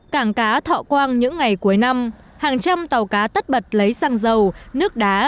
cảng cá thọ quang những ngày cuối năm hàng trăm tàu cá tắt bật lấy sang dầu nước đá